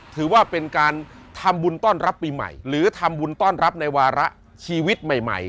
ถือว่าเป็นการทำบุญต้อนรับปีใหม่หรือทำบุญต้อนรับในวาระชีวิตใหม่